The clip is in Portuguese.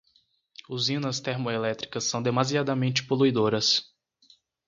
Usinas termoelétricas são demasiadamente poluidoras